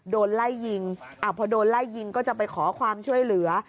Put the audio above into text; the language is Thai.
โดนไล่ยิงพอโดนไล่ยิงก็จะไปขอความช่วยเหลือ